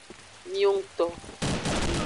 Miwongto.